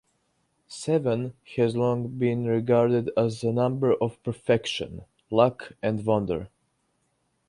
Seven has long been regarded as a number of perfection, luck, and wonder.